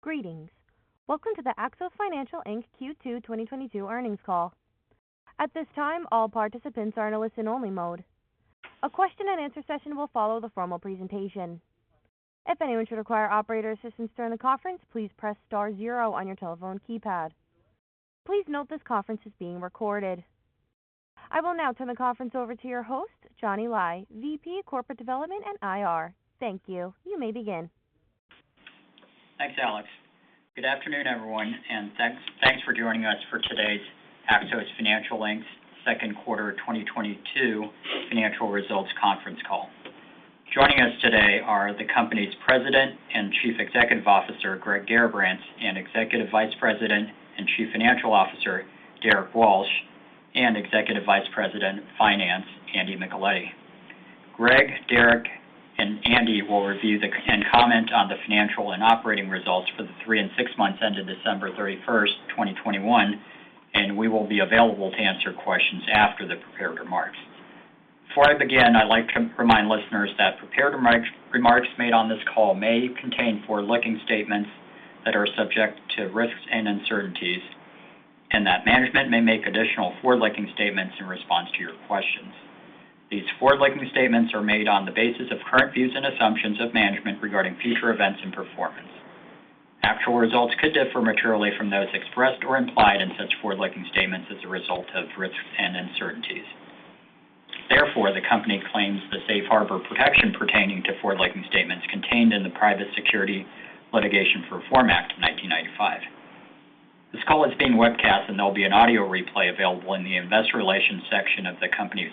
Greetings. Welcome to the Axos Financial, Inc. Q2 2022 earnings call. At this time, all participants are in a listen-only mode. A question-and-answer session will follow the formal presentation. If anyone should require operator assistance during the conference, please press star zero on your telephone keypad. Please note this conference is being recorded. I will now turn the conference over to your host, Johnny Lai, VP Corporate Development and IR. Thank you. You may begin. Thanks, Alex. Good afternoon, everyone, and thanks for joining us for today's Axos Financial, Inc. second quarter 2022 financial results conference call. Joining us today are the company's President and Chief Executive Officer, Greg Garrabrants, and Executive Vice President and Chief Financial Officer, Derrick Walsh, and Executive Vice President Finance, Andy Micheletti. Greg, Derek, and Andy will review and comment on the financial and operating results for the three and six months ended December 31st, 2021, and we will be available to answer questions after the prepared remarks. Before I begin, I'd like to remind listeners that prepared remarks made on this call may contain forward-looking statements that are subject to risks and uncertainties, and that management may make additional forward-looking statements in response to your questions. These forward-looking statements are made on the basis of current views and assumptions of management regarding future events and performance. Actual results could differ materially from those expressed or implied in such forward-looking statements as a result of risks and uncertainties. Therefore, the company claims the safe harbor protection pertaining to forward-looking statements contained in the Private Securities Litigation Reform Act of 1995. This call is being webcast, and there'll be an audio replay available in the investor relations section of the company's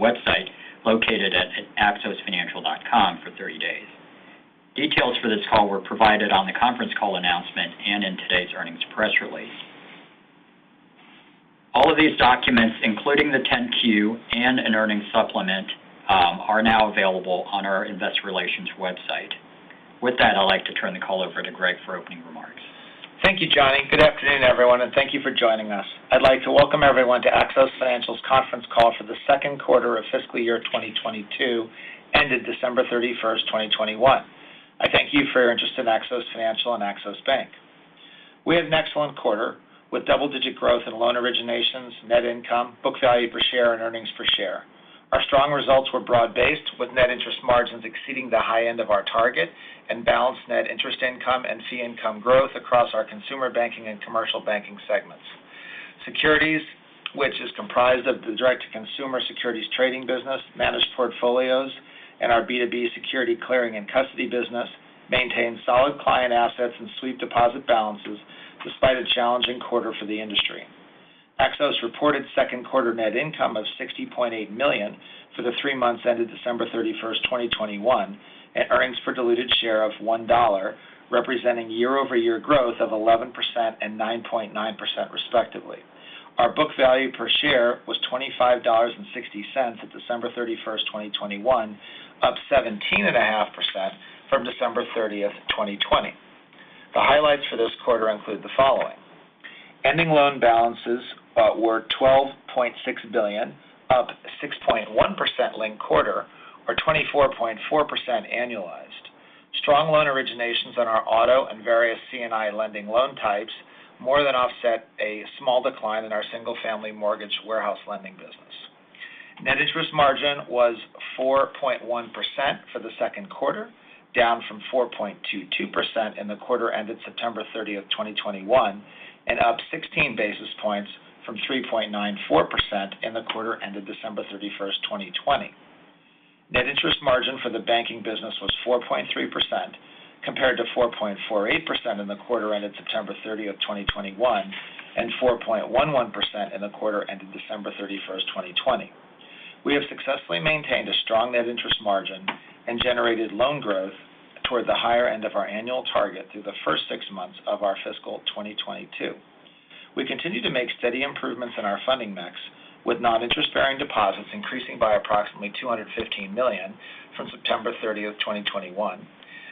website, located at axosfinancial.com for 30 days. Details for this call were provided on the conference call announcement and in today's earnings press release. All of these documents, including the 10-Q and an earnings supplement, are now available on our investor relations website. With that, I'd like to turn the call over to Greg for opening remarks. Thank you, Johnny. Good afternoon, everyone, and thank you for joining us. I'd like to welcome everyone to Axos Financial's conference call for the second quarter of fiscal year 2022, ended December 31st, 2021. I thank you for your interest in Axos Financial and Axos Bank. We had an excellent quarter with double-digit growth in loan originations, net income, book value per share, and earnings per share. Our strong results were broad-based, with net interest margins exceeding the high end of our target and balanced net interest income and fee income growth across our consumer banking and commercial banking segments. Securities, which is comprised of the direct-to-consumer securities trading business, managed portfolios, and our B2B security clearing and custody business, maintained solid client assets and sweep deposit balances despite a challenging quarter for the industry. Axos reported second quarter net income of $60.8 million for the three months ended December 31st, 2021, and earnings per diluted share of $1, representing year-over-year growth of 11% and 9.9% respectively. Our book value per share was $25.60 at December 31st, 2021, up 17.5% from December 30th, 2020. The highlights for this quarter include the following. Ending loan balances were $12.6 billion, up 6.1% linked quarter or 24.4% annualized. Strong loan originations on our auto and various C&I lending loan types more than offset a small decline in our single-family mortgage warehouse lending business. Net interest margin was 4.1% for the second quarter, down from 4.22% in the quarter ended September 30th, 2021, and up 16 basis points from 3.94% in the quarter ended December 31st, 2020. Net interest margin for the banking business was 4.3% compared to 4.48% in the quarter ended September 30th, 2021, and 4.11% in the quarter ended December 31st, 2020. We have successfully maintained a strong net interest margin and generated loan growth toward the higher end of our annual target through the first six months of our fiscal 2022. We continue to make steady improvements in our funding mix, with non-interest-bearing deposits increasing by approximately $215 million from September 30th, 2021.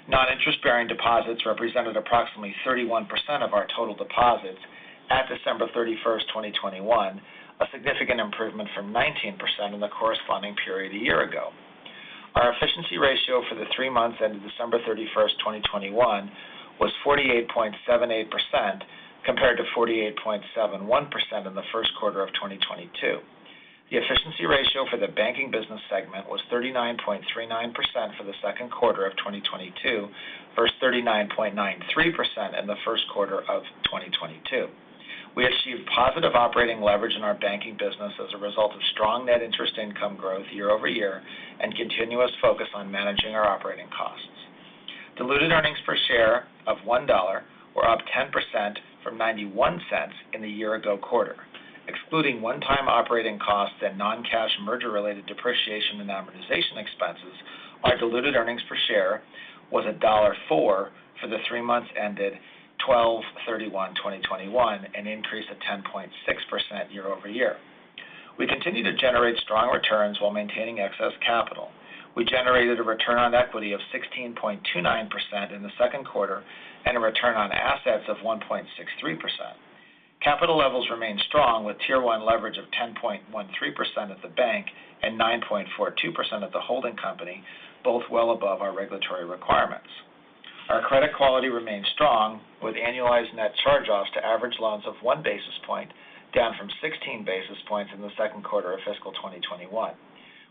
Non-interest-bearing deposits represented approximately 31% of our total deposits at December 31st, 2021, a significant improvement from 19% in the corresponding period a year ago. Our efficiency ratio for the three months ended December 31st, 2021 was 48.78% compared to 48.71% in the first quarter of 2022. The efficiency ratio for the banking business segment was 39.39% for the second quarter of 2022 versus 39.93% in the first quarter of 2022. We achieved positive operating leverage in our banking business as a result of strong net interest income growth year-over-year and continuous focus on managing our operating costs. Diluted earnings per share of $1 were up 10% from $0.91 in the year ago quarter. Excluding one-time operating costs and non-cash merger-related depreciation and amortization expenses, our diluted earnings per share was $1.04 for the three months ended 12/31/2021, an increase of 10.6% year-over-year. We continue to generate strong returns while maintaining excess capital. We generated a return on equity of 16.29% in the second quarter and a return on assets of 1.63%. Capital levels remain strong with Tier 1 leverage of 10.13% of the bank and 9.42% of the holding company, both well above our regulatory requirements. Our credit quality remains strong, with annualized net charge-offs to average loans of 1 basis point, down from 16 basis points in the second quarter of fiscal 2021.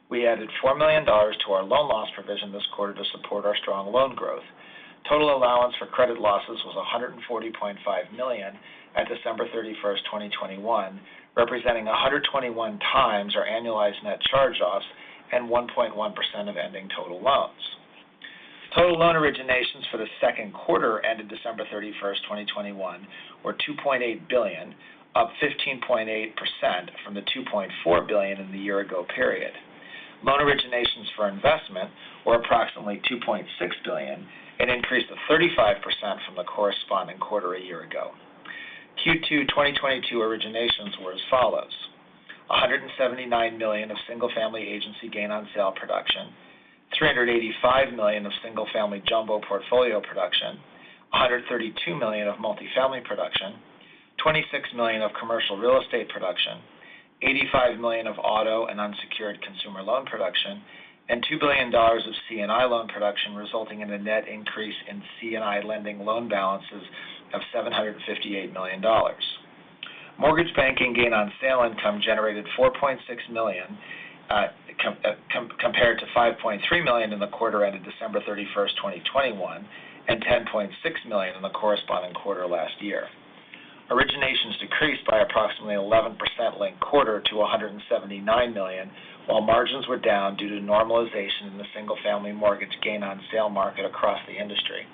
We added $4 million to our loan loss provision this quarter to support our strong loan growth. Total allowance for credit losses was $140.5 million at December 31st, 2021, representing 121x our annualized net charge-offs and 1.1% of ending total loans. Total loan originations for the second quarter ended December 31st, 2021, were $2.8 billion, up 15.8% from the $2.4 billion in the year ago period. Loan originations for investment were approximately $2.6 billion, an increase of 35% from the corresponding quarter a year ago. Q2 2022 originations were as follows: $179 million of single-family agency gain on sale production, $385 million of single-family jumbo portfolio production, $132 million of multifamily production, $26 million of commercial real estate production, $85 million of auto and unsecured consumer loan production, and $2 billion of C&I loan production, resulting in a net increase in C&I lending loan balances of $758 million. Mortgage banking gain on sale income generated $4.6 million, compared to $5.3 million in the quarter ended December 31st, 2021, and $10.6 million in the corresponding quarter last year. Originations decreased by approximately 11% linked quarter to $179 million, while margins were down due to normalization in the single-family mortgage gain on sale market across the industry.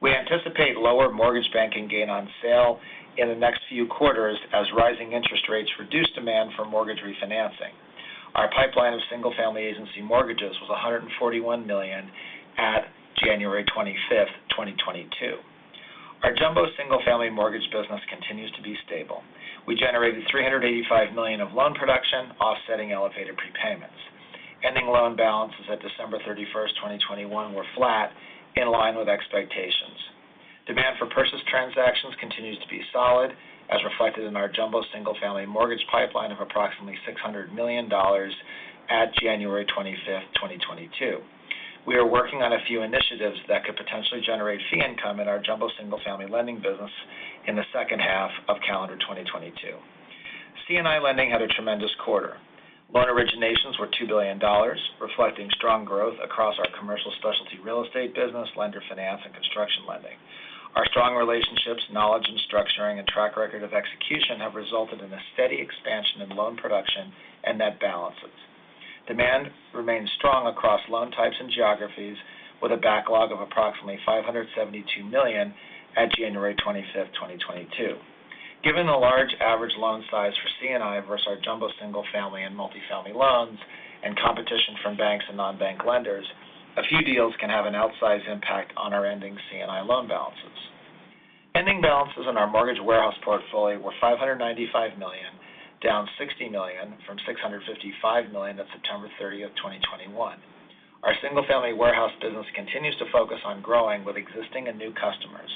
We anticipate lower mortgage banking gain on sale in the next few quarters as rising interest rates reduce demand for mortgage refinancing. Our pipeline of single-family agency mortgages was $141 million at January 25th, 2022. Our jumbo single-family mortgage business continues to be stable. We generated $385 million of loan production, offsetting elevated prepayments. Ending loan balances at December 31st, 2021 were flat in line with expectations. Demand for purchase transactions continues to be solid, as reflected in our jumbo single-family mortgage pipeline of approximately $600 million at January 25th, 2022. We are working on a few initiatives that could potentially generate fee income in our jumbo single-family lending business in the second half of calendar 2022. C&I lending had a tremendous quarter. Loan originations were $2 billion, reflecting strong growth across our commercial specialty real estate business, lender finance and construction lending. Our strong relationships, knowledge and structuring and track record of execution have resulted in a steady expansion in loan production and net balances. Demand remains strong across loan types and geographies with a backlog of approximately $572 million at January 25th, 2022. Given the large average loan size for C&I versus our jumbo single family and multifamily loans and competition from banks and non-bank lenders, a few deals can have an outsized impact on our ending C&I loan balances. Ending balances on our mortgage warehouse portfolio were $595 million, down $60 million from $655 million at September 30th, 2021. Our single-family warehouse business continues to focus on growing with existing and new customers.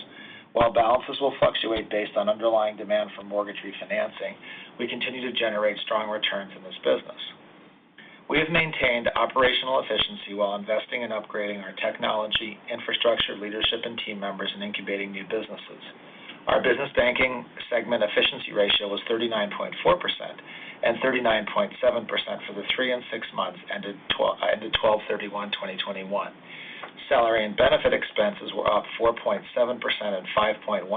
While balances will fluctuate based on underlying demand for mortgage refinancing, we continue to generate strong returns in this business. We have maintained operational efficiency while investing in upgrading our technology, infrastructure, leadership and team members in incubating new businesses. Our business banking segment efficiency ratio was 39.4% and 39.7% for the three and six months ended December 31st, 2021. Salary and benefit expenses were up 4.7% and 5.1%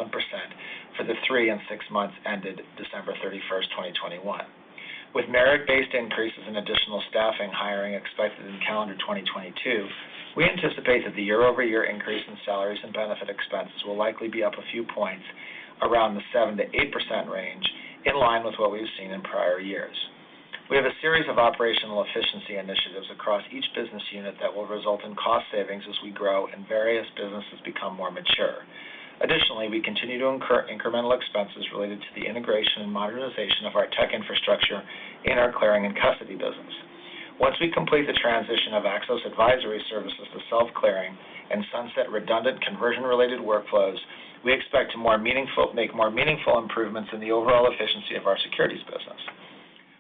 for the three and six months ended December 31st, 2021. With merit-based increases in additional staffing hiring expected in calendar 2022, we anticipate that the year-over-year increase in salaries and benefit expenses will likely be up a few points around the 7%-8% range in line with what we've seen in prior years. We have a series of operational efficiency initiatives across each business unit that will result in cost savings as we grow and various businesses become more mature. Additionally, we continue to incur incremental expenses related to the integration and modernization of our tech infrastructure in our clearing and custody business. Once we complete the transition of Axos Advisor Services to self-clearing and sunset redundant conversion-related workflows, we expect to make more meaningful improvements in the overall efficiency of our securities business.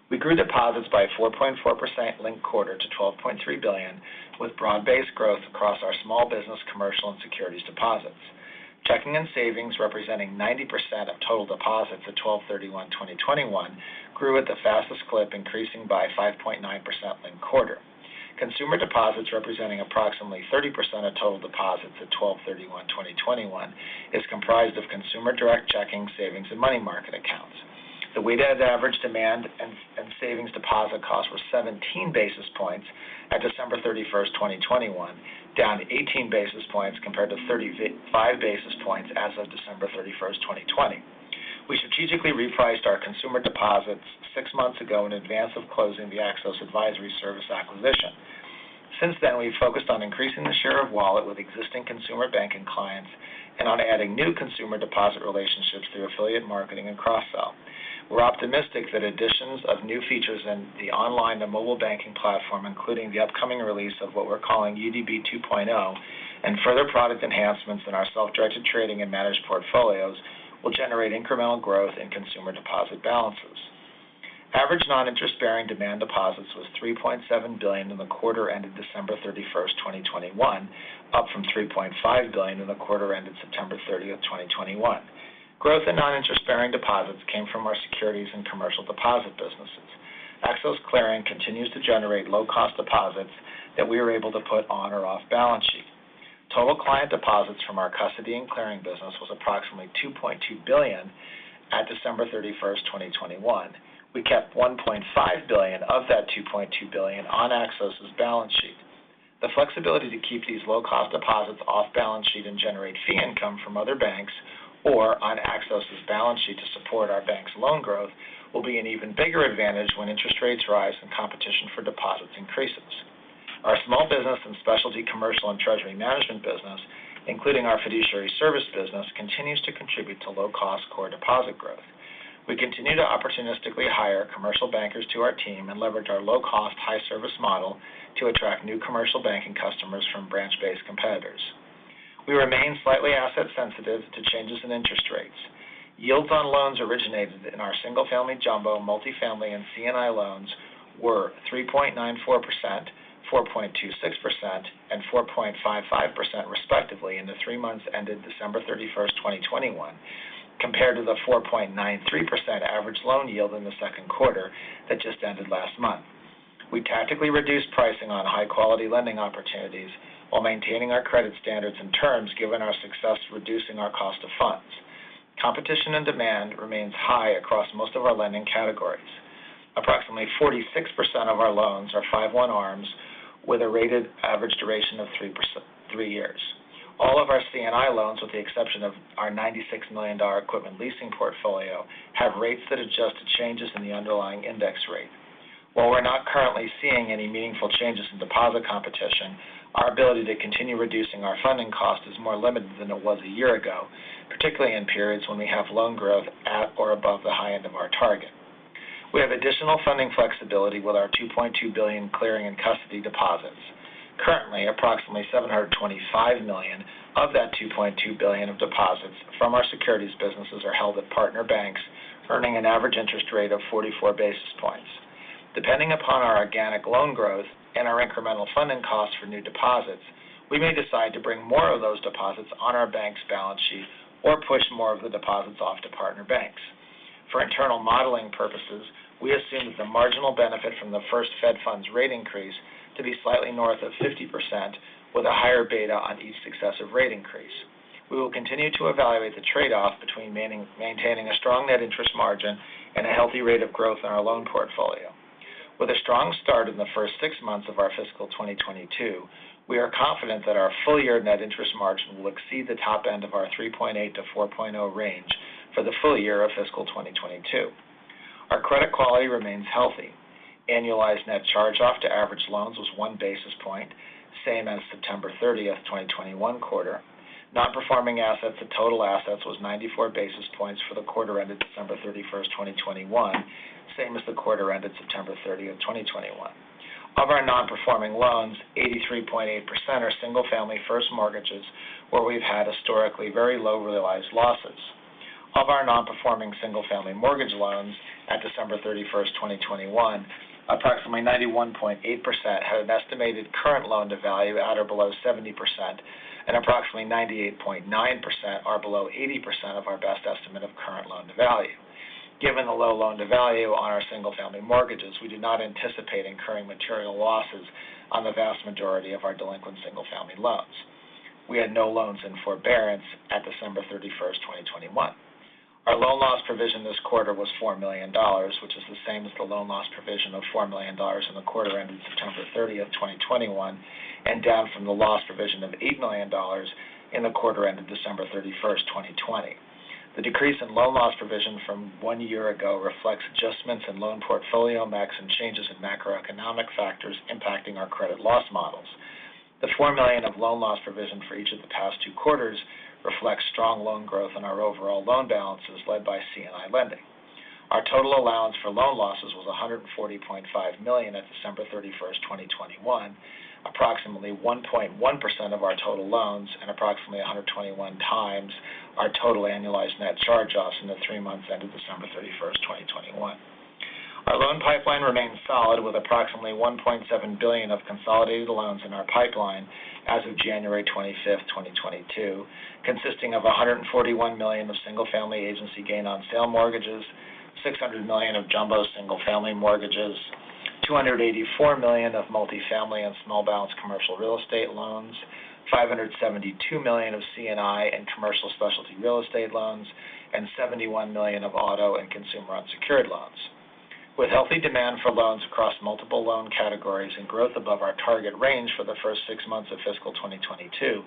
We grew deposits by 4.4% linked quarter to $12.3 billion, with broad-based growth across our small business, commercial and securities deposits. Checking and savings, representing 90% of total deposits at 12/31/2021, grew at the fastest clip, increasing by 5.9% linked quarter. Consumer deposits, representing approximately 30% of total deposits at 12/31/2021, is comprised of consumer direct checking, savings, and money market accounts. The weighted average demand and savings deposit costs were 17 basis points at December 31st, 2021, down 18 basis points compared to 35 basis points as of December 31st, 2020. We strategically repriced our consumer deposits six months ago in advance of closing the Axos Advisor Services acquisition. Since then, we've focused on increasing the share of wallet with existing consumer banking clients and on adding new consumer deposit relationships through affiliate marketing and cross-sell. We're optimistic that additions of new features in the online and mobile banking platform, including the upcoming release of what we're calling UDB 2.0, and further product enhancements in our self-directed trading and managed portfolios will generate incremental growth in consumer deposit balances. Average non-interest-bearing demand deposits was $3.7 billion in the quarter ended December 31st, 2021, up from $3.5 billion in the quarter ended September 30th, 2021. Growth in non-interest-bearing deposits came from our securities and commercial deposit businesses. Axos Clearing continues to generate low-cost deposits that we are able to put on or off balance sheet. Total client deposits from our custody and clearing business was approximately $2.2 billion at December 31st, 2021. We kept $1.5 billion of that $2.2 billion on Axos's balance sheet. The flexibility to keep these low-cost deposits off balance sheet and generate fee income from other banks or on Axos's balance sheet to support our bank's loan growth will be an even bigger advantage when interest rates rise and competition for deposits increases. Our small business and specialty commercial and treasury management business, including our fiduciary service business, continues to contribute to low-cost core deposit growth. We continue to opportunistically hire commercial bankers to our team and leverage our low-cost, high-service model to attract new commercial banking customers from branch-based competitors. We remain slightly asset sensitive to changes in interest rates. Yields on loans originated in our single-family jumbo, multi-family, and C&I loans were 3.94%, 4.26%, and 4.55% respectively in the three months ended December 31st, 2021, compared to the 4.93% average loan yield in the second quarter that just ended last month. We tactically reduced pricing on high-quality lending opportunities while maintaining our credit standards and terms given our success reducing our cost of funds. Competition and demand remains high across most of our lending categories. Approximately 46% of our loans are 5/1 ARMs with a weighted average duration of three years. All of our C&I loans, with the exception of our $96 million equipment leasing portfolio, have rates that adjust to changes in the underlying index rate. While we're not currently seeing any meaningful changes in deposit competition, our ability to continue reducing our funding cost is more limited than it was a year ago, particularly in periods when we have loan growth at or above the high end of our target. We have additional funding flexibility with our $2.2 billion clearing and custody deposits. Currently, approximately $725 million of that $2.2 billion of deposits from our securities businesses are held at partner banks, earning an average interest rate of 44 basis points. Depending upon our organic loan growth and our incremental funding cost for new deposits, we may decide to bring more of those deposits on our bank's balance sheet or push more of the deposits off to partner banks. For internal modeling purposes, we assume that the marginal benefit from the first Fed funds rate increase to be slightly north of 50% with a higher beta on each successive rate increase. We will continue to evaluate the trade-off between maintaining a strong net interest margin and a healthy rate of growth in our loan portfolio. With a strong start in the first six months of our fiscal 2022, we are confident that our full year net interest margin will exceed the top end of our 3.8%-4.0% range for the full year of fiscal 2022. Our credit quality remains healthy. Annualized net charge-off to average loans was 1 basis point, same as September 30th, 2021 quarter. Non-performing assets to total assets was 94 basis points for the quarter ended December 31st, 2021, same as the quarter ended September 30th, 2021. Of our non-performing loans, 83.8% are single-family first mortgages where we've had historically very low realized losses. Of our non-performing single-family mortgage loans at December 31st, 2021, approximately 91.8% had an estimated current loan-to-value at or below 70%, and approximately 98.9% are below 80% of our best estimate of current loan-to-value. Given the low loan-to-value on our single-family mortgages, we do not anticipate incurring material losses on the vast majority of our delinquent single-family loans. We had no loans in forbearance at December 31st, 2021. Our loan loss provision this quarter was $4 million, which is the same as the loan loss provision of $4 million in the quarter ended September 30th, 2021, and down from the loss provision of $8 million in the quarter ended December 31st, 2020. The decrease in loan loss provision from one year ago reflects adjustments in loan portfolio mix and changes in macroeconomic factors impacting our credit loss models. The $4 million of loan loss provision for each of the past two quarters reflects strong loan growth in our overall loan balances led by C&I lending. Our total allowance for loan losses was $140.5 million at December 31st, 2021, approximately 1.1% of our total loans and approximately 121x our total annualized net charge-offs in the three months ended December 31st, 2021. Our loan pipeline remains solid with approximately $1.7 billion of consolidated loans in our pipeline as of January 25th, 2022, consisting of $141 million of single-family agency gain on sale mortgages, $600 million of jumbo single-family mortgages, $284 million of multifamily and small balance commercial real estate loans, $572 million of C&I and commercial specialty real estate loans, and $71 million of auto and consumer unsecured loans. With healthy demand for loans across multiple loan categories and growth above our target range for the first six months of fiscal 2022,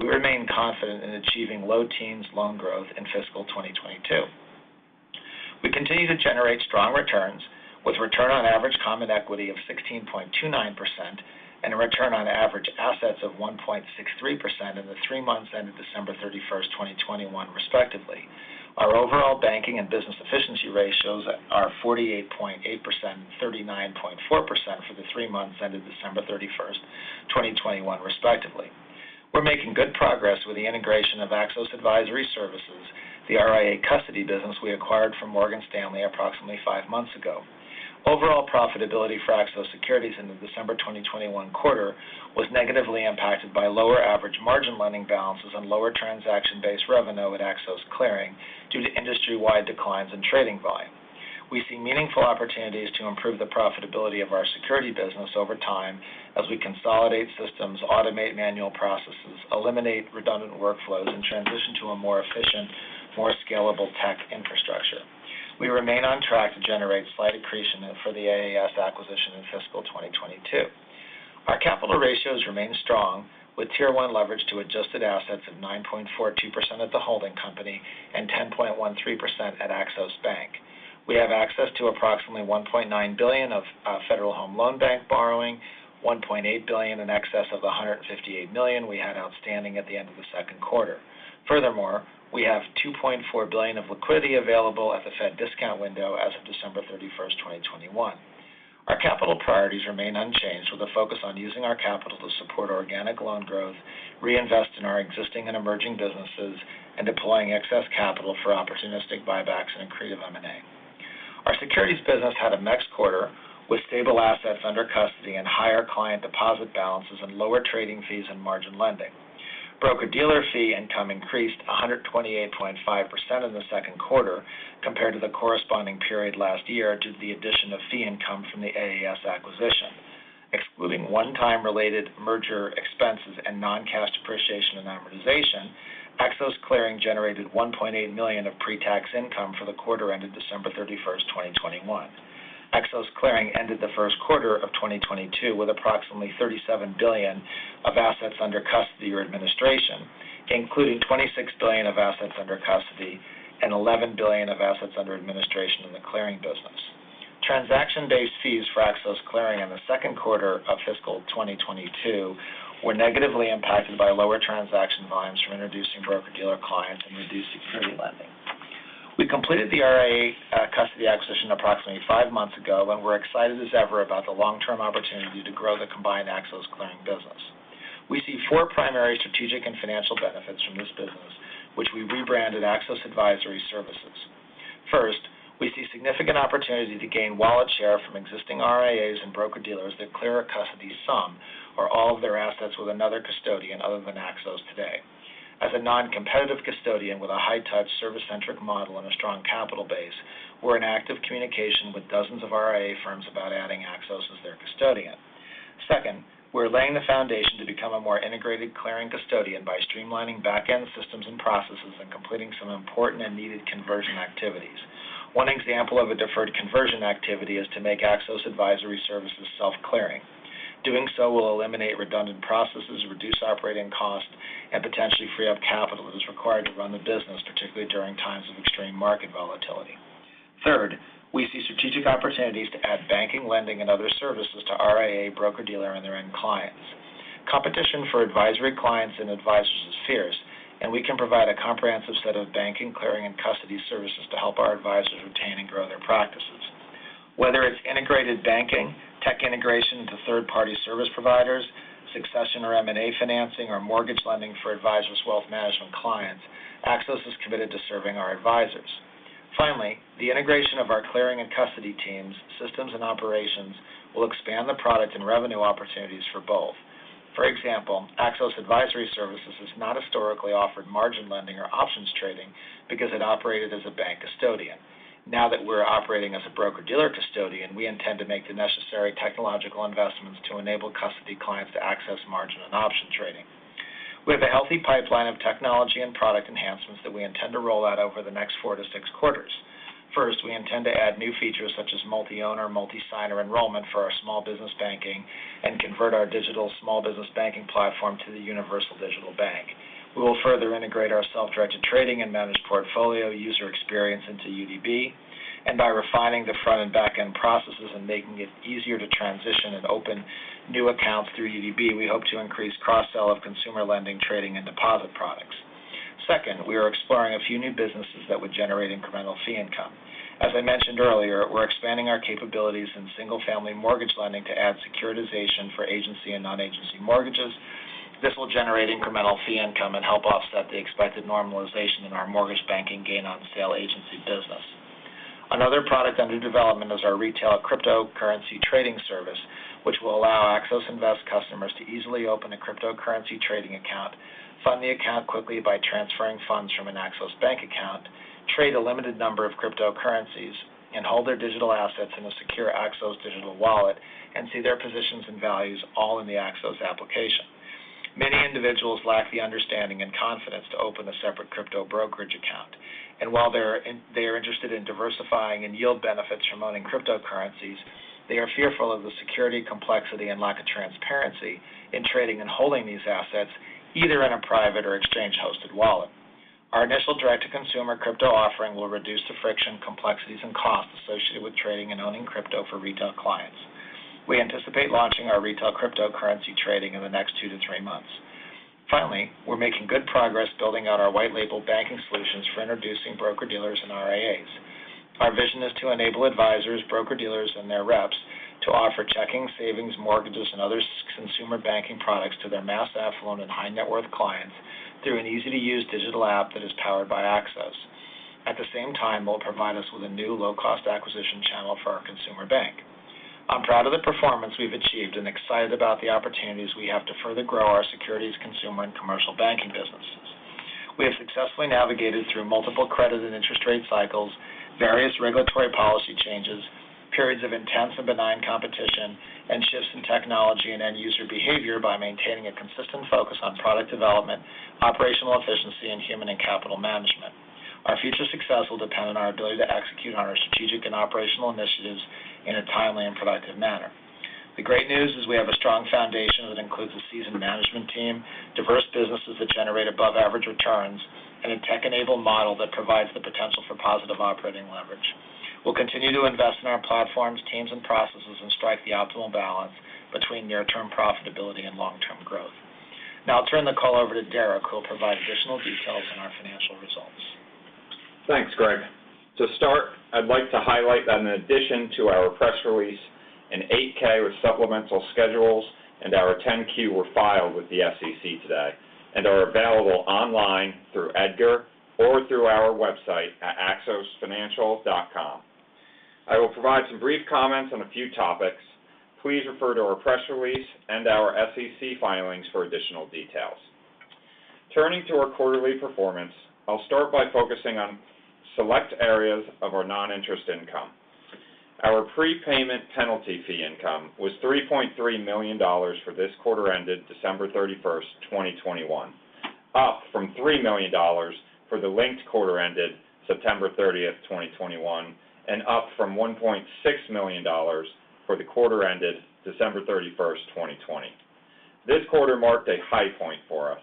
we remain confident in achieving low teens loan growth in fiscal 2022. We continue to generate strong returns. With return on average common equity of 16.29% and a return on average assets of 1.63% in the three months ended December 31st, 2021 respectively. Our overall banking and business efficiency ratios are 48.8%, 39.4% for the three months ended December 31st, 2021 respectively. We're making good progress with the integration of Axos Advisor Services, the RIA custody business we acquired from Morgan Stanley approximately five months ago. Overall profitability for Axos Securities in the December 2021 quarter was negatively impacted by lower average margin lending balances and lower transaction-based revenue at Axos Clearing due to industry-wide declines in trading volume. We see meaningful opportunities to improve the profitability of our securities business over time as we consolidate systems, automate manual processes, eliminate redundant workflows, and transition to a more efficient, more scalable tech infrastructure. We remain on track to generate slight accretion for the AAS acquisition in fiscal 2022. Our capital ratios remain strong with Tier 1 leverage to adjusted assets of 9.42% at the holding company and 10.13% at Axos Bank. We have access to approximately $1.9 billion of Federal Home Loan Bank borrowing, $1.8 billion in excess of $158 million we had outstanding at the end of the second quarter. Furthermore, we have $2.4 billion of liquidity available at the Fed discount window as of December 31st, 2021. Our capital priorities remain unchanged with a focus on using our capital to support organic loan growth, reinvest in our existing and emerging businesses, and deploying excess capital for opportunistic buybacks and accretive M&A. Our securities business had a mixed quarter with stable assets under custody and higher client deposit balances and lower trading fees and margin lending. Broker-dealer fee income increased 128.5% in the second quarter compared to the corresponding period last year due to the addition of fee income from the AAS acquisition. Excluding one-time related merger expenses and non-cash depreciation and amortization, Axos Clearing generated $1.8 million of pre-tax income for the quarter ended December 31st, 2021. Axos Clearing ended the first quarter of 2022 with approximately $37 billion of assets under custody or administration, including $26 billion of assets under custody and $11 billion of assets under administration in the clearing business. Transaction-based fees for Axos Clearing in the second quarter of fiscal 2022 were negatively impacted by lower transaction volumes from introducing broker-dealer clients and reduced security lending. We completed the RIA custody acquisition approximately five months ago, and we're excited as ever about the long-term opportunity to grow the combined Axos Clearing business. We see four primary strategic and financial benefits from this business, which we rebranded Axos Advisor Services. First, we see significant opportunity to gain wallet share from existing RIAs and broker-dealers that clear and custody some or all of their assets with another custodian other than Axos today. As a non-competitive custodian with a high-touch, service-centric model and a strong capital base, we're in active communication with dozens of RIA firms about adding Axos as their custodian. Second, we're laying the foundation to become a more integrated clearing custodian by streamlining back-end systems and processes and completing some important and needed conversion activities. One example of a deferred conversion activity is to make Axos Advisor Services self-clearing. Doing so will eliminate redundant processes, reduce operating costs, and potentially free up capital that is required to run the business, particularly during times of extreme market volatility. Third, we see strategic opportunities to add banking, lending, and other services to RIA broker-dealer and their end clients. Competition for advisory clients and advisors is fierce, and we can provide a comprehensive set of banking, clearing, and custody services to help our advisors retain and grow their practices. Whether it's integrated banking, tech integration into third-party service providers, succession or M&A financing, or mortgage lending for advisors' wealth management clients, Axos is committed to serving our advisors. Finally, the integration of our clearing and custody teams, systems, and operations will expand the product and revenue opportunities for both. For example, Axos Advisor Services has not historically offered margin lending or options trading because it operated as a bank custodian. Now that we're operating as a broker-dealer custodian, we intend to make the necessary technological investments to enable custody clients to access margin and option trading. We have a healthy pipeline of technology and product enhancements that we intend to roll out over the next 4-6 quarters. First, we intend to add new features such as multi-owner, multi-signer enrollment for our small business banking and convert our digital small business banking platform to the Universal Digital Bank. We will further integrate our self-directed trading and managed portfolio user experience into UDB, and by refining the front and back-end processes and making it easier to transition and open new accounts through UDB, we hope to increase cross-sell of consumer lending, trading, and deposit products. Second, we are exploring a few new businesses that would generate incremental fee income. As I mentioned earlier, we're expanding our capabilities in single-family mortgage lending to add securitization for agency and non-agency mortgages. This will generate incremental fee income and help offset the expected normalization in our mortgage banking gain on sale agency business. Another product under development is our retail cryptocurrency trading service, which will allow Axos Invest customers to easily open a cryptocurrency trading account, fund the account quickly by transferring funds from an Axos Bank account, trade a limited number of cryptocurrencies, and hold their digital assets in a secure Axos digital wallet, and see their positions and values all in the Axos application. Many individuals lack the understanding and confidence to open a separate crypto brokerage account. While they are interested in diversifying and yield benefits from owning cryptocurrencies, they are fearful of the security complexity and lack of transparency in trading and holding these assets either in a private or exchange-hosted wallet. Our initial direct-to-consumer crypto offering will reduce the friction, complexities, and costs associated with trading and owning crypto for retail clients. We anticipate launching our retail cryptocurrency trading in the next two-three months. Finally, we're making good progress building out our white label banking solutions for introducing broker-dealers and RIAs. Our vision is to enable advisors, broker-dealers, and their reps to offer checking, savings, mortgages, and other consumer banking products to their mass affluent and high-net-worth clients through an easy-to-use digital app that is powered by Axos. At the same time, it will provide us with a new low-cost acquisition channel for our consumer bank. I'm proud of the performance we've achieved and excited about the opportunities we have to further grow our securities consumer and commercial banking businesses. We have successfully navigated through multiple credit and interest rate cycles, various regulatory policy changes, periods of intense and benign competition, and shifts in technology and end-user behavior by maintaining a consistent focus on product development, operational efficiency, and human and capital management. Our future success will depend on our ability to execute on our strategic and operational initiatives in a timely and productive manner. The great news is we have a strong foundation that includes a seasoned management team, diverse businesses that generate above-average returns, and a tech-enabled model that provides the potential for positive operating leverage. We'll continue to invest in our platforms, teams, and processes, and strike the optimal balance between near-term profitability and long-term growth. Now I'll turn the call over to Derrick, who will provide additional details on our financial results. Thanks, Greg. To start, I'd like to highlight that in addition to our press release, an 8-K with supplemental schedules and our 10-Q were filed with the SEC today, and are available online through EDGAR or through our website at axosfinancial.com. I will provide some brief comments on a few topics. Please refer to our press release and our SEC filings for additional details. Turning to our quarterly performance, I'll start by focusing on select areas of our non-interest income. Our prepayment penalty fee income was $3.3 million for this quarter ended December 31st, 2021, up from $3 million for the linked quarter ended September 30th, 2021, and up from $1.6 million for the quarter ended December 31st, 2020. This quarter marked a high point for us.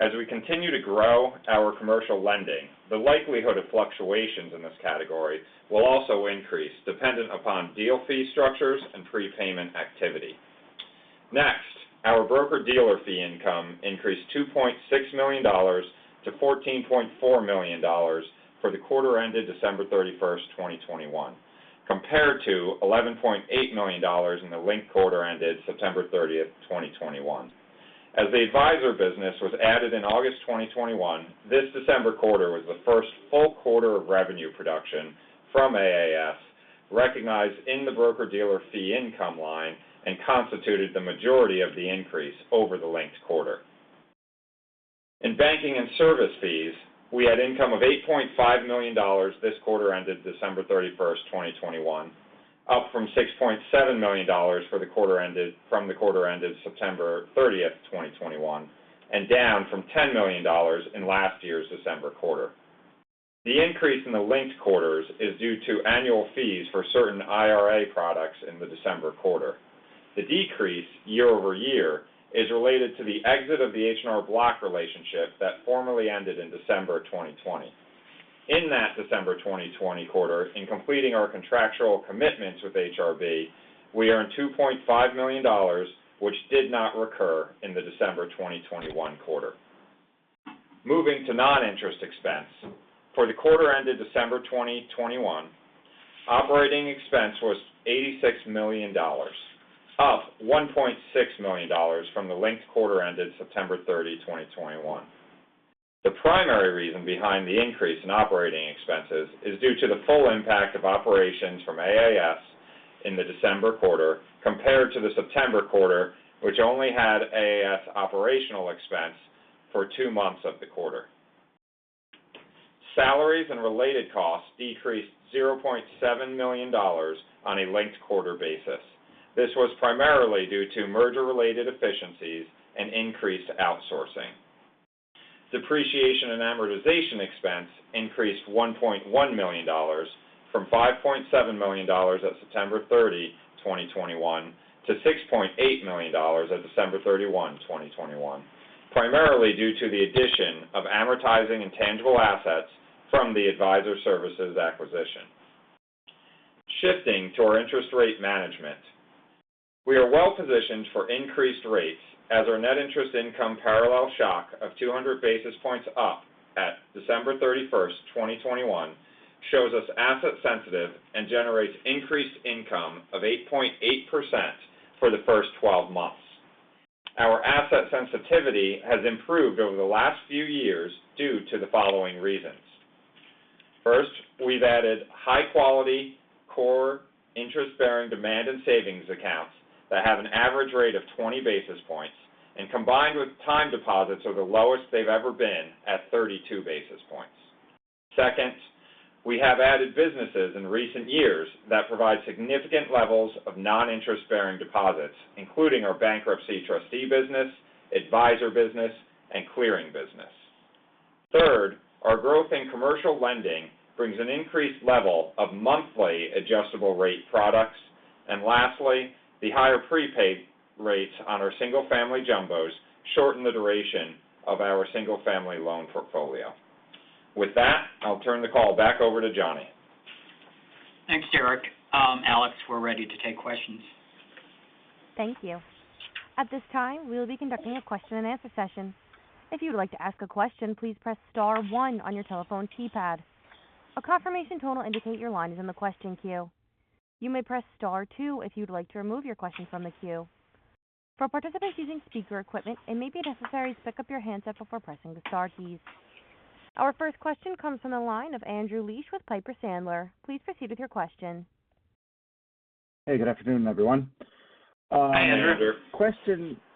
As we continue to grow our commercial lending, the likelihood of fluctuations in this category will also increase dependent upon deal fee structures and prepayment activity. Next, our broker-dealer fee income increased $2.6 million to $14.4 million for the quarter ended December 31st, 2021, compared to $11.8 million in the linked quarter ended September 30th, 2021. As the advisor business was added in August 2021, this December quarter was the first full quarter of revenue production from AAS recognized in the broker-dealer fee income line and constituted the majority of the increase over the linked quarter. In banking and service fees, we had income of $8.5 million this quarter ended December 31st, 2021, up from $6.7 million for the quarter ended September 30th, 2021, and down from $10 million in last year's December quarter. The increase in the linked quarters is due to annual fees for certain IRA products in the December quarter. The decrease year-over-year is related to the exit of the H&R Block relationship that formally ended in December 2020. In that December 2020 quarter, in completing our contractual commitments with HRB, we earned $2.5 million, which did not recur in the December 2021 quarter. Moving to non-interest expense. For the quarter ended December 2021, operating expense was $86 million, up $1.6 million from the linked quarter ended September 30, 2021. The primary reason behind the increase in operating expenses is due to the full impact of operations from AAS in the December quarter compared to the September quarter, which only had AAS operational expense for two months of the quarter. Salaries and related costs decreased $0.7 million on a linked quarter basis. This was primarily due to merger-related efficiencies and increased outsourcing. Depreciation and amortization expense increased $1.1 million from $5.7 million at September 30, 2021, to $6.8 million at December 31, 2021, primarily due to the addition of amortizing intangible assets from the Advisor Services acquisition. Shifting to our interest rate management. We are well-positioned for increased rates as our net interest income parallel shock of 200 basis points up at December 31st, 2021, shows us asset sensitive and generates increased income of $8.8 for the first 12 months. Our asset sensitivity has improved over the last few years due to the following reasons. First, we've added high-quality core interest-bearing demand and savings accounts that have an average rate of 20 basis points, and combined with time deposits, are the lowest they've ever been at 32 basis points. Second, we have added businesses in recent years that provide significant levels of non-interest-bearing deposits, including our bankruptcy trustee business, advisor business, and clearing business. Third, our growth in commercial lending brings an increased level of monthly adjustable rate products. Lastly, the higher prepayment rates on our single family jumbos shorten the duration of our single family loan portfolio. With that, I'll turn the call back over to Johnny. Thanks, Derrick. Alex, we're ready to take questions. Thank you. At this time, we will be conducting a question-and-answer session. If you would like to ask a question, please press star one on your telephone keypad. A confirmation tone will indicate your line is in the question queue. You may press star two if you'd like to remove your question from the queue. For participants using speaker equipment, it may be necessary to pick up your handset before pressing the star keys. Our first question comes from the line of Andrew Liesch with Piper Sandler. Please proceed with your question. Hey, good afternoon, everyone. Hi, Andrew.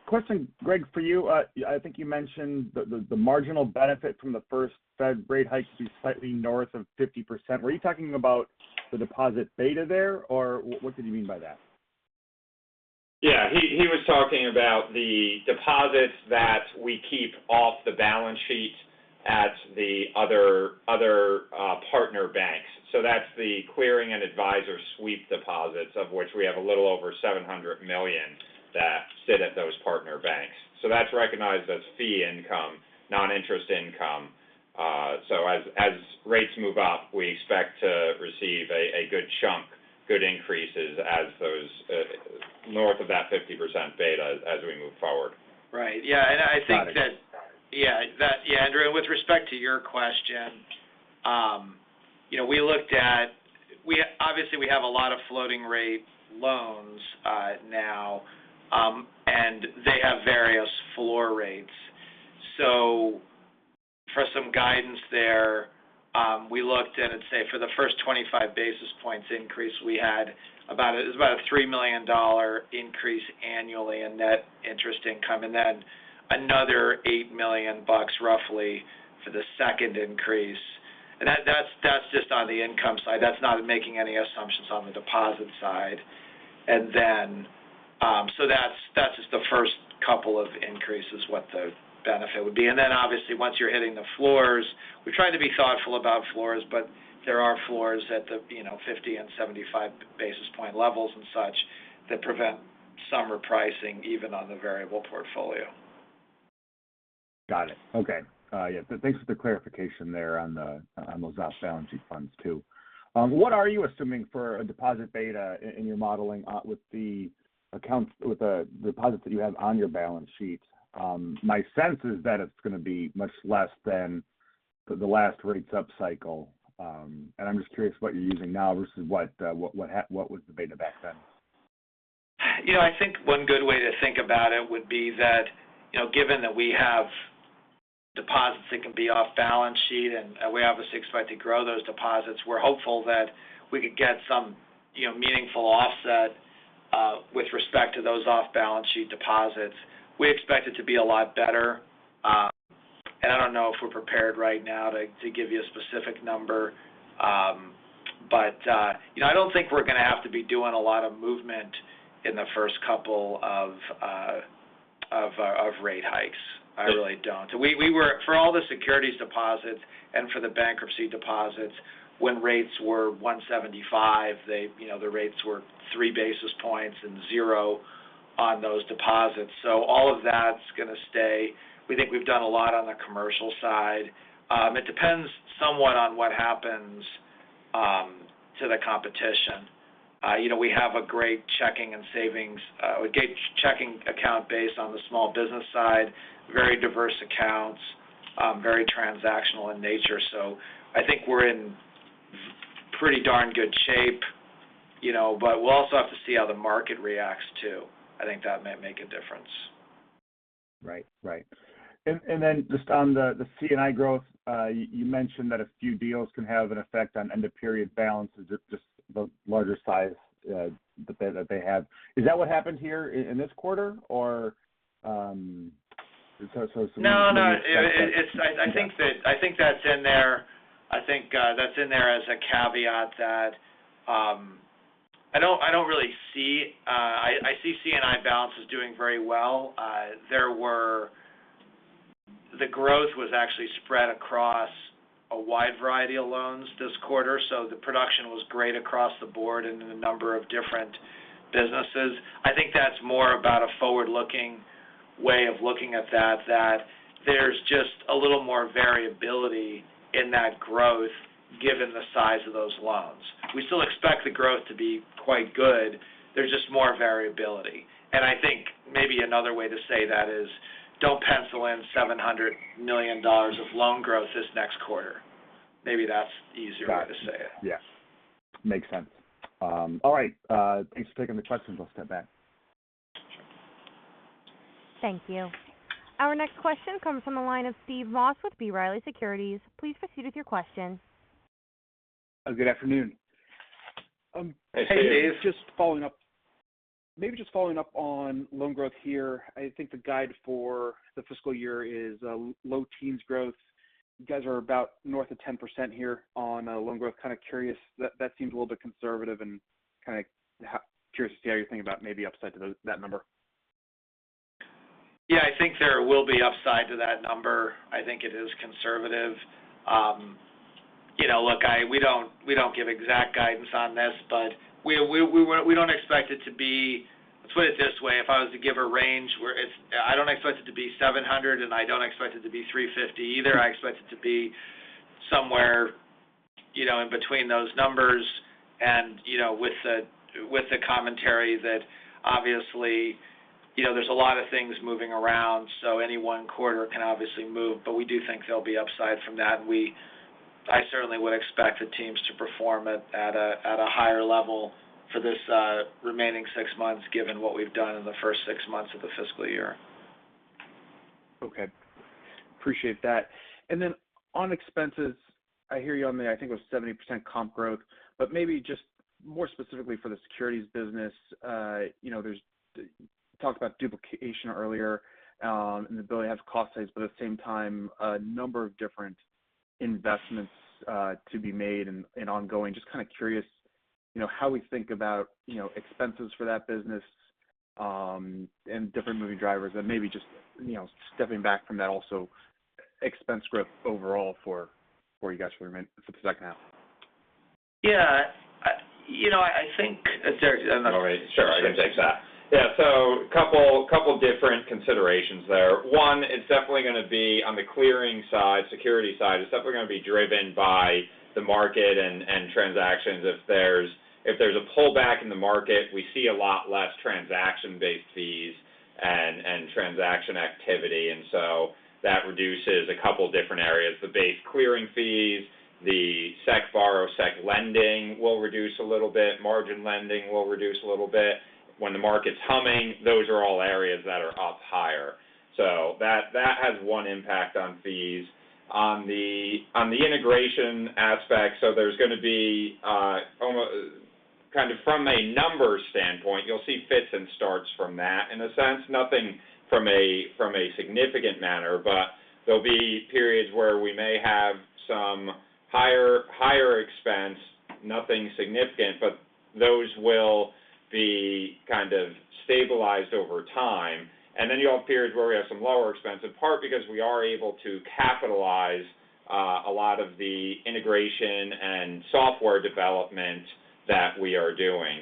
Question, Greg, for you. I think you mentioned the marginal benefit from the first Fed rate hike to be slightly north of 50%. Were you talking about the deposit beta there, or what did you mean by that? Yeah. He was talking about the deposits that we keep off the balance sheet at the other partner banks. That's the clearing and advisor sweep deposits, of which we have a little over $700 million that sit at those partner banks. That's recognized as fee income, non-interest income. As rates move up, we expect to receive a good chunk, good increases as those north of that 50% beta as we move forward. Right. Yeah. I think that, yeah, Andrew, with respect to your question, you know, we obviously have a lot of floating rate loans now, and they have various floor rates. For some guidance there, we looked and say for the first 25 basis points increase, we had about a $3 million increase annually in net interest income, and then another $8 million roughly for the second increase. That is just on the income side. That is not making any assumptions on the deposit side. That is just the first couple of increases, what the benefit would be. Obviously, once you're hitting the floors, we try to be thoughtful about floors, but there are floors at the, you know, 50 basis point and 75 basis point levels and such that prevent some repricing even on the variable portfolio. Got it. Okay. Yeah. Thanks for the clarification there on those off-balance sheet funds too. What are you assuming for a deposit beta in your modeling with the deposits that you have on your balance sheet? My sense is that it's gonna be much less than the last rates up cycle. I'm just curious what you're using now versus what was the beta back then. You know, I think one good way to think about it would be that, you know, given that we have deposits that can be off-balance-sheet, and we obviously expect to grow those deposits, we're hopeful that we could get some, you know, meaningful offset with respect to those off-balance-sheet deposits. We expect it to be a lot better. I don't know if we're prepared right now to give you a specific number. You know, I don't think we're gonna have to be doing a lot of movement in the first couple of rate hikes. I really don't. We were for all the securities deposits and for the bankruptcy deposits, when rates were 1.75 basis points, they, you know, the rates were three basis points and zero on those deposits. So all of that's gonna stay. We think we've done a lot on the commercial side. It depends somewhat on what happens to the competition. You know, we have a great checking and savings, a great checking account based on the small business side, very diverse accounts, very transactional in nature. I think we're in pretty darn good shape, you know. We'll also have to see how the market reacts, too. I think that might make a difference. Right. Right. Just on the C&I growth, you mentioned that a few deals can have an effect on end-of-period balances, just the larger size that they have. Is that what happened here in this quarter, or so some-? No, no. I think that's in there as a caveat that I don't really see. I see C&I balances doing very well. The growth was actually spread across a wide variety of loans this quarter, so the production was great across the board and in a number of different businesses. I think that's more about a forward-looking way of looking at that there's just a little more variability in that growth given the size of those loans. We still expect the growth to be quite good. There's just more variability. I think maybe another way to say that is, don't pencil in $700 million of loan growth this next quarter. Maybe that's easier way to say it. Got it. Yes. Makes sense. All right. Thanks for taking the questions. I'll step back. Thank you. Our next question comes from the line of Steve Moss with B. Riley Securities. Please proceed with your question. Good afternoon. Hey, Steve. Hey. Just following up on loan growth here. I think the guide for the fiscal year is low teens growth. You guys are about north of 10% here on loan growth. Kind of curious. That seems a little bit conservative and kind of curious to see how you are thinking about maybe upside to that number. Yeah, I think there will be upside to that number. I think it is conservative. You know, look, we don't give exact guidance on this, but we don't expect it to be. Let's put it this way. If I was to give a range, I don't expect it to be $700, and I don't expect it to be $350 either. I expect it to be somewhere, you know, in between those numbers. You know, with the commentary that obviously, you know, there's a lot of things moving around, so any one quarter can obviously move. We do think there'll be upside from that. I certainly would expect the teams to perform at a higher level for this remaining six months given what we've done in the first six months of the fiscal year. Okay. Appreciate that. On expenses, I hear you on the, I think it was 70% comp growth, but maybe just more specifically for the securities business. You know, talked about duplication earlier, and the ability to have cost savings, but at the same time, a number of different investments to be made and ongoing. Just kind of curious, you know, how we think about, you know, expenses for that business, and different moving drivers. Maybe just, you know, stepping back from that, also expense growth overall for you guys for the second half. Yeah. You know, I think, Derrick- Sure. I can take that. Yeah. Couple different considerations there. One, it's definitely gonna be on the clearing side, securities side. It's definitely gonna be driven by the market and transactions. If there's a pullback in the market, we see a lot less transaction-based fees and transaction activity. That reduces a couple different areas. The base clearing fees, the securities borrow, securities lending will reduce a little bit. Margin lending will reduce a little bit. When the market's humming, those are all areas that are up higher. That has one impact on fees. On the integration aspect, there's gonna be kind of from a numbers standpoint, you'll see fits and starts from that in a sense. Nothing in a significant manner, but there'll be periods where we may have some higher expense, nothing significant, but those will be kind of stabilized over time. Then you'll have periods where we have some lower expense in part because we are able to capitalize a lot of the integration and software development that we are doing.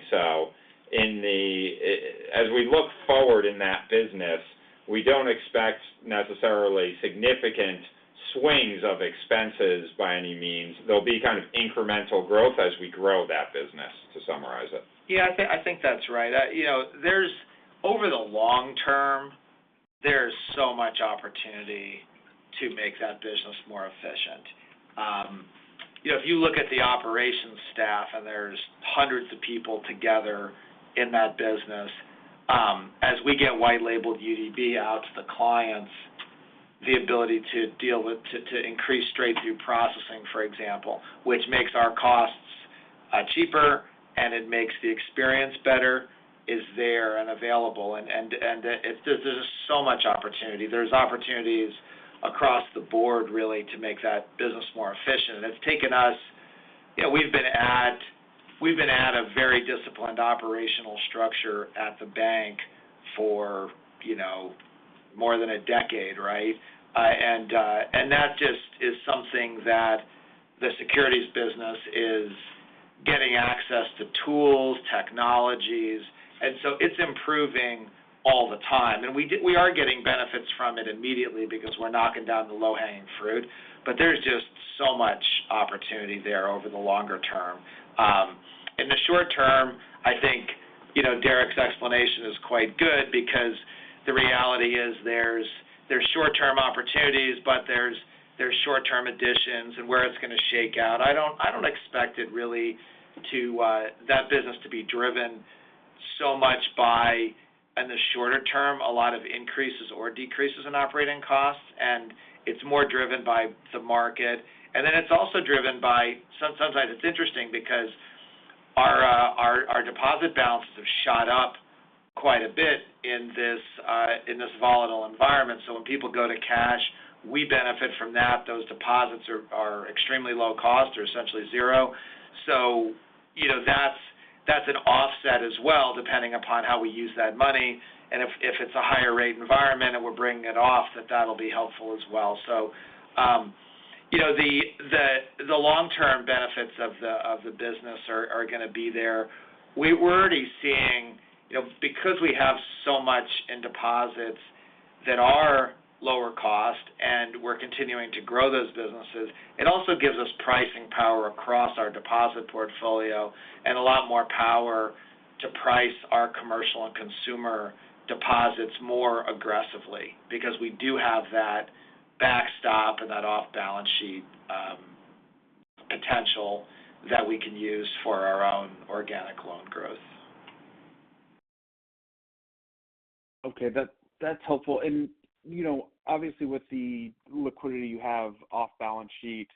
As we look forward in that business, we don't expect necessarily significant swings of expenses by any means. There'll be kind of incremental growth as we grow that business, to summarize it. Yeah. I think that's right. You know, over the long term, there's so much opportunity to make that business more efficient. You know, if you look at the operations staff, and there's hundreds of people together in that business, as we get white labeled UDB out to the clients, the ability to increase straight-through processing, for example, which makes our costs cheaper, and it makes the experience better, is there and available. There's so much opportunity. There's opportunities across the board really to make that business more efficient. It's taken us. You know, we've been at a very disciplined operational structure at the bank for, you know, more than a decade, right? That just is something that the securities business is getting access to tools, technologies, and so it's improving all the time. We are getting benefits from it immediately because we're knocking down the low-hanging fruit. There's just so much opportunity there over the longer term. In the short term, I think, you know, Derrick's explanation is quite good because the reality is there's short term opportunities, but there's short term additions and where it's gonna shake out. I don't expect it really to that business to be driven so much by, in the shorter term, a lot of increases or decreases in operating costs, and it's more driven by the market. It's also driven by. Sometimes it's interesting because our deposit balances have shot up quite a bit in this volatile environment. When people go to cash, we benefit from that. Those deposits are extremely low cost. They're essentially zero. You know, that's an offset as well depending upon how we use that money. If it's a higher rate environment and we're bringing it off, that'll be helpful as well. You know, the long term benefits of the business are gonna be there. We're already seeing, you know, because we have so much in deposits that are lower cost and we're continuing to grow those businesses, it also gives us pricing power across our deposit portfolio and a lot more power to price our commercial and consumer deposits more aggressively because we do have that backstop and that off balance sheet, potential that we can use for our own organic loan growth. Okay. That's helpful. You know, obviously with the liquidity you have off balance sheet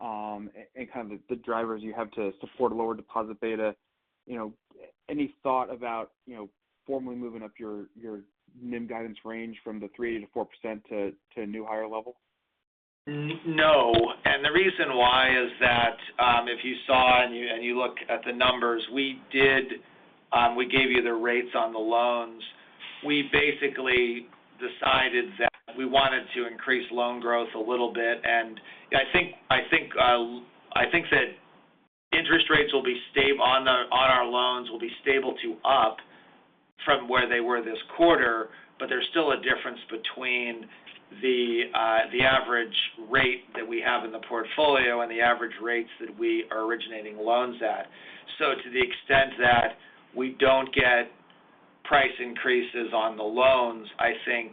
and kind of the drivers you have to support lower deposit beta, you know, any thought about, you know, formally moving up your NIM guidance range from the 3%-4% to a new higher level? No. The reason why is that, if you saw and you look at the numbers we did, we gave you the rates on the loans. We basically decided that we wanted to increase loan growth a little bit. I think that interest rates will be stable to up from where they were this quarter. There's still a difference between the average rate that we have in the portfolio and the average rates that we are originating loans at. To the extent that we don't get price increases on the loans, I think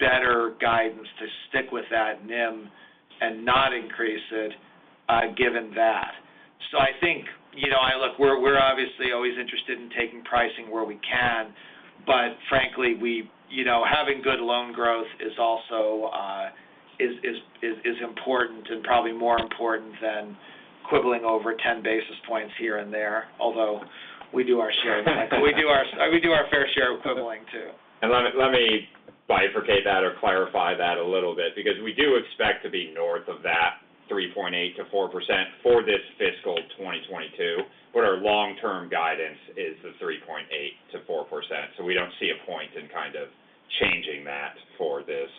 it's better guidance to stick with that NIM and not increase it, given that. I think, you know, look, we're obviously always interested in taking pricing where we can, but frankly, we, you know, having good loan growth is also important and probably more important than quibbling over 10 basis points here and there. Although we do our share. We do our fair share of quibbling too. Let me bifurcate that or clarify that a little bit because we do expect to be north of that 3.8%-4% for this fiscal 2022. Our long-term guidance is the 3.8%-4%. We don't see a point in kind of changing that for this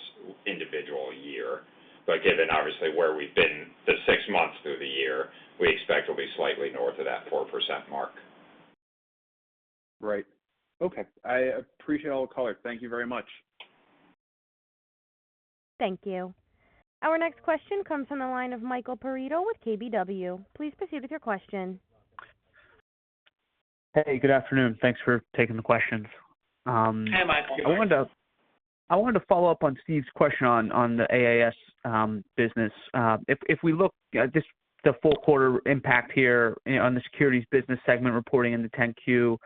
individual year. Given obviously where we've been the six months through the year, we expect we'll be slightly north of that 4% mark. Right. Okay. I appreciate all the color. Thank you very much. Thank you. Our next question comes from the line of Michael Perito with KBW. Please proceed with your question. Hey, good afternoon. Thanks for taking the questions. Hi, Michael. I wanted to follow up on Steve's question on the AAS business. If we look at this, the full quarter impact here on the securities business segment reporting in the 10-Q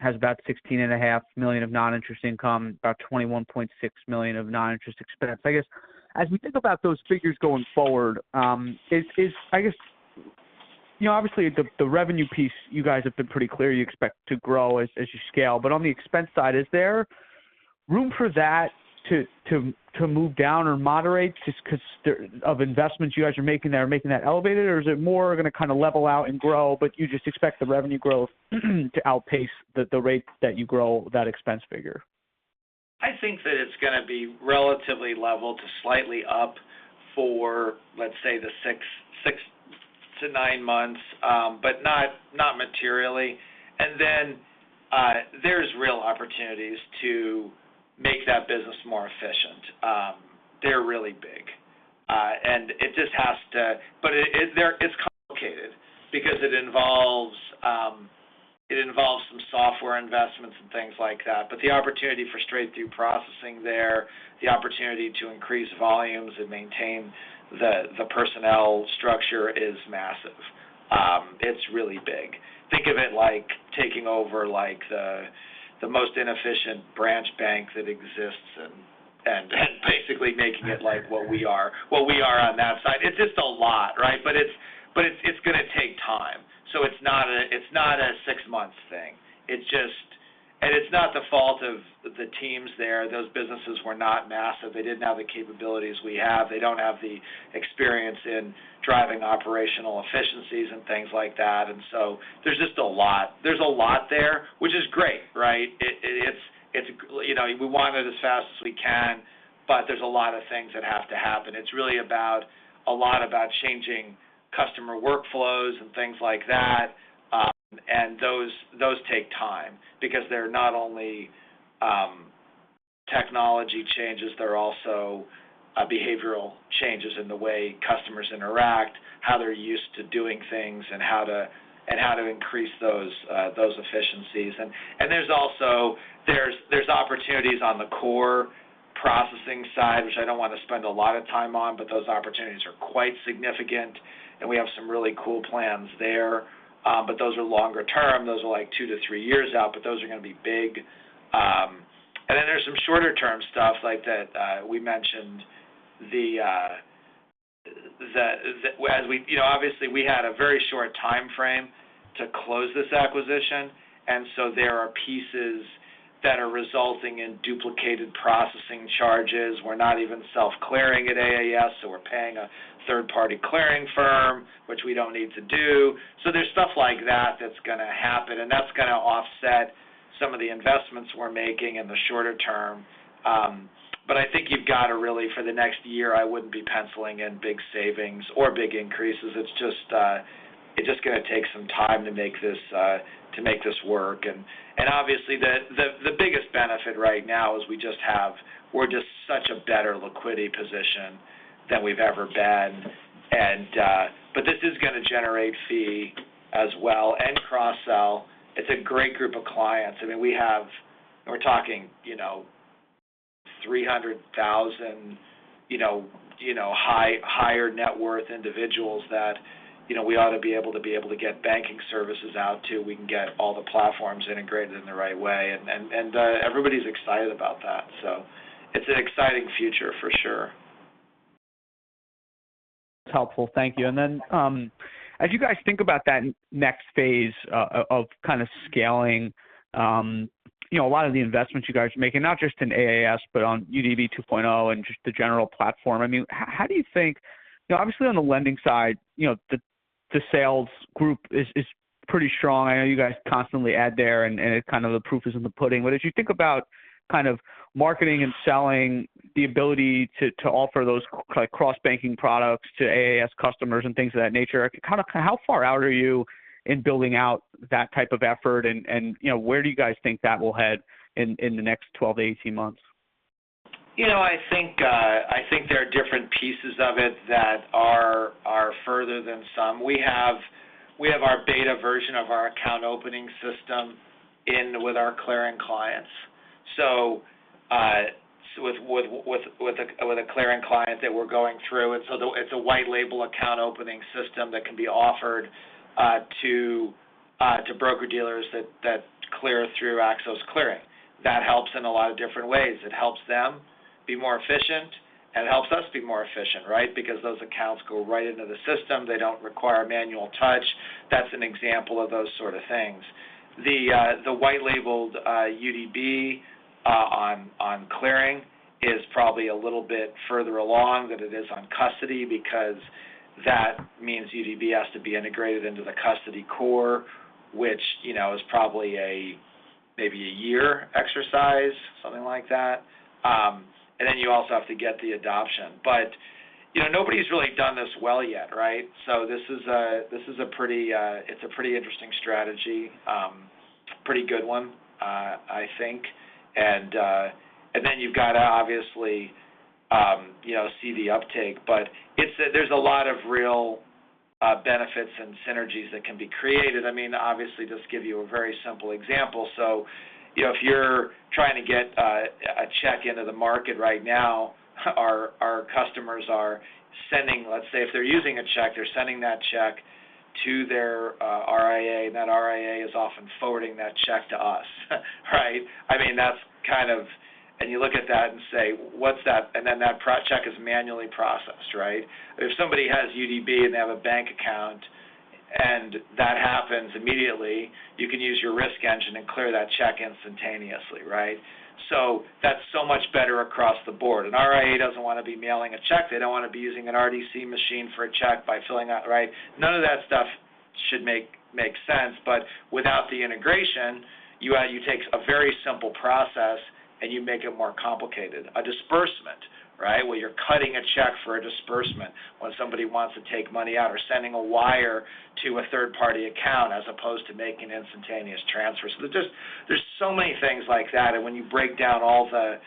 has about $16.5 million of non-interest income, about $21.6 million of non-interest expense. I guess as we think about those figures going forward, I guess you know obviously the revenue piece you guys have been pretty clear you expect to grow as you scale. On the expense side, is there room for that to move down or moderate just 'cause there are investments you guys are making there, making that elevated? Is it more going to kind of level out and grow, but you just expect the revenue growth to outpace the rate that you grow that expense figure? I think that it's going to be relatively level to slightly up for, let's say, the six-nine months, but not materially. There's real opportunities to make that business more efficient. They're really big. It's complicated because it involves some software investments and things like that. The opportunity for straight-through processing there, the opportunity to increase volumes and maintain the personnel structure is massive. It's really big. Think of it like taking over like the most inefficient branch bank that exists and basically making it like what we are on that side. It's just a lot, right? It's going to take time. It's not a six-month thing. It's just, and it's not the fault of the teams there. Those businesses were not massive. They didn't have the capabilities we have. They don't have the experience in driving operational efficiencies and things like that. There's just a lot. There's a lot there, which is great, right? It's, you know, we want it as fast as we can, but there's a lot of things that have to happen. It's really about a lot about changing customer workflows and things like that. Those take time because they're not only technology changes, they're also behavioral changes in the way customers interact, how they're used to doing things, and how to increase those efficiencies. There's also opportunities on the core processing side, which I don't want to spend a lot of time on, but those opportunities are quite significant. We have some really cool plans there. But those are longer-term. Those are like two-three years out, but those are going to be big. Then there's some shorter-term stuff like that, we mentioned, you know, obviously, we had a very short timeframe to close this acquisition, and so there are pieces that are resulting in duplicated processing charges. We're not even self-clearing at AAS, so we're paying a third-party clearing firm, which we don't need to do. There's stuff like that that's going to happen, and that's going to offset some of the investments we're making in the shorter term. I think you've got to really for the next year, I wouldn't be penciling in big savings or big increases. It's just going to take some time to make this work. Obviously the biggest benefit right now is we're just such a better liquidity position than we've ever been. This is going to generate fees as well and cross-sell. It's a great group of clients. I mean, we're talking, you know, 300,000 higher net worth individuals that, you know, we ought to be able to get banking services out to. We can get all the platforms integrated in the right way. Everybody's excited about that. It's an exciting future for sure. That's helpful. Thank you. As you guys think about that next phase of kind of scaling, you know, a lot of the investments you guys are making, not just in AAS, but on UDB 2.0 and just the general platform. I mean, how do you think. You know, obviously on the lending side, you know, the sales group is pretty strong. I know you guys constantly add there, and it kind of the proof is in the pudding. As you think about kind of marketing and selling the ability to offer those cross banking products to AAS customers and things of that nature, kind of how far out are you in building out that type of effort and, you know, where do you guys think that will head in the next 12-18 months? You know, I think there are different pieces of it that are further than some. We have our beta version of our account opening system in with our clearing clients, with a clearing client that we're going through. It's a white label account opening system that can be offered to broker-dealers that clear through Axos Clearing. That helps in a lot of different ways. It helps them be more efficient, and it helps us be more efficient, right? Because those accounts go right into the system. They don't require manual touch. That's an example of those sort of things. The white-labeled UDB on clearing is probably a little bit further along than it is on custody because that means UDB has to be integrated into the custody core, which, you know, is probably a year exercise, something like that. You also have to get the adoption. You know, nobody's really done this well yet, right? This is a pretty interesting strategy, pretty good one, I think. You've got to obviously, you know, see the uptake. There's a lot of real benefits and synergies that can be created. I mean, obviously, just give you a very simple example. You know, if you're trying to get a check into the market right now, our customers are sending... Let's say if they're using a check, they're sending that check to their RIA. That RIA is often forwarding that check to us, right? I mean, that's kind of. You look at that and say, "What's that?" That check is manually processed, right? If somebody has UDB and they have a bank account and that happens immediately, you can use your risk engine and clear that check instantaneously, right? That's so much better across the board. An RIA doesn't want to be mailing a check. They don't want to be using an RDC machine for a check by filling out, right? None of that stuff should make sense. Without the integration, you take a very simple process, and you make it more complicated. A disbursement, right? Where you're cutting a check for a disbursement when somebody wants to take money out or sending a wire to a third-party account as opposed to making instantaneous transfers. There's so many things like that. When you break down all the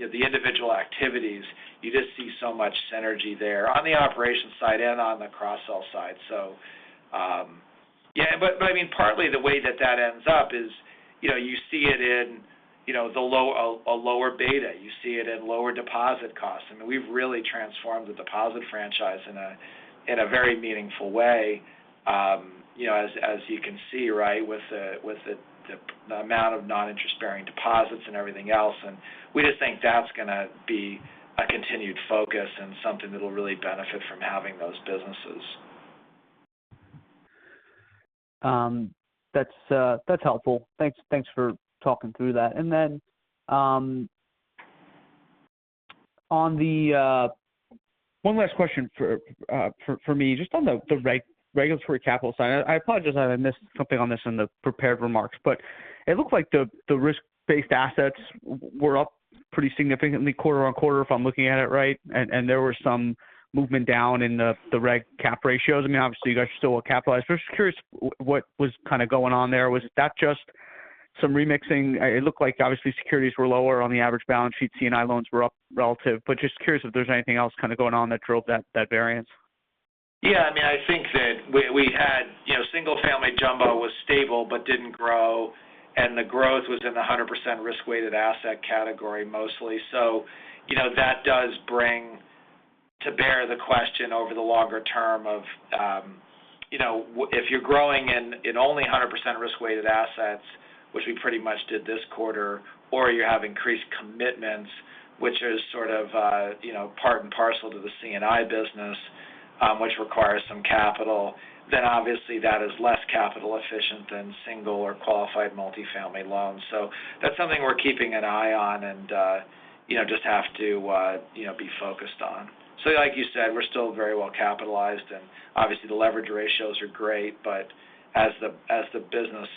individual activities, you just see so much synergy there on the operations side and on the cross-sell side. Yeah. I mean, partly the way that ends up is, you know, you see it in, you know, a lower beta. You see it in lower deposit costs. I mean, we've really transformed the deposit franchise in a very meaningful way. You know, as you can see, right? With the amount of non-interest bearing deposits and everything else. We just think that's gonna be a continued focus and something that'll really benefit from having those businesses. That's helpful. Thanks for talking through that. One last question for me, just on the regulatory capital side. I apologize I missed something on this in the prepared remarks. It looked like the risk-based assets were up pretty significantly quarter-over-quarter, if I'm looking at it right. There were some movement down in the reg cap ratios. I mean, obviously, you guys are still well capitalized. Just curious what was kind of going on there. Was that just some remixing? It looked like obviously securities were lower on the average balance sheet. C&I loans were up relative. Just curious if there's anything else kind of going on that drove that variance. Yeah. I mean, I think that we had. You know, single-family jumbo was stable but didn't grow, and the growth was in the 100% risk-weighted asset category mostly. That does bring to bear the question over the longer term of, you know, if you're growing in only 100% risk-weighted assets, which we pretty much did this quarter. You have increased commitments, which is sort of, you know, part and parcel to the C&I business, which requires some capital. Obviously that is less capital efficient than single or qualified multifamily loans. That's something we're keeping an eye on and, you know, just have to, you know, be focused on. Like you said, we're still very well capitalized. Obviously the leverage ratios are great. As the business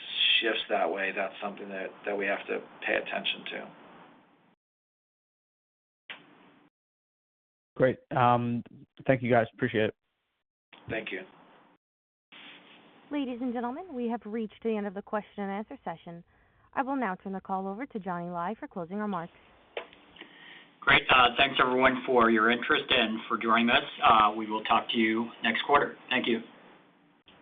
shifts that way, that's something that we have to pay attention to. Great. Thank you guys. Appreciate it. Thank you. Ladies and gentlemen, we have reached the end of the question-and-answer session. I will now turn the call over to Johnny Lai for closing remarks. Great. Thanks everyone for your interest and for joining us. We will talk to you next quarter. Thank you.